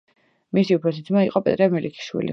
მისი უფროსი ძმა იყო პეტრე მელიქიშვილი.